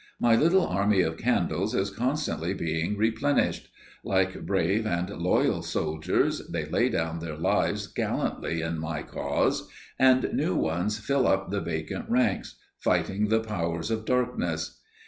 My little army of candles is constantly being replenished. Like brave and loyal soldiers, they lay down their lives gallantly in my cause, and new ones fill up the vacant ranks, fighting the powers of darkness.